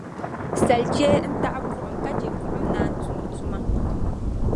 Salichee n-taɣi buɣim ka chɛ buɣim naan tum tuma.